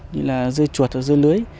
như dưa chuột và dưa lưới